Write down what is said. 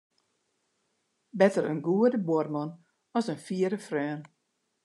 Better in goede buorman as in fiere freon.